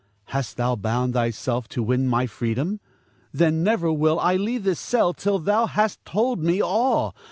Hast thou bound thyself to win my freedom? Then never will I leave this cell till thou hast told me all.